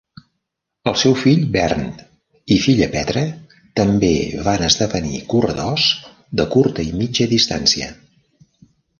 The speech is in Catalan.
El seu fill Bernd i filla Petra també van esdevenir corredors de curta a mitja distància.